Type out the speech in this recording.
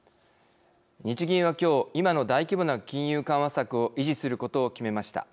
日銀は今の大規模な金融緩和策を維持することを決めました。